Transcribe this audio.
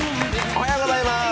おはようございます。